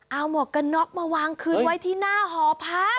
เอาหมวกกันน็อกมาวางคืนไว้ที่หน้าหอพัก